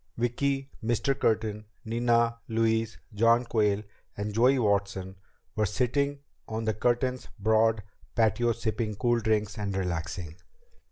Vicki, Mr. Curtin, Nina, Louise, John Quayle, and Joey Watson were sitting on the Curtins' broad patio sipping cool fruit drinks and relaxing.